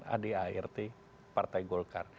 ada yang mengatakan ada art partai golkar